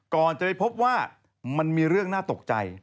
ก่อนจะไปพบว่ามันมีเรื่องน่าตกใจ